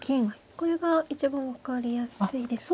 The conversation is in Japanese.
これが一番分かりやすいですか。